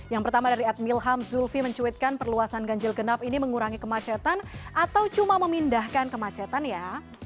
yang pertama dari admil ham zulfi mencuitkan perluasan ganjil genap ini mengurangi kemacetan atau cuma memindahkan kemacetan ya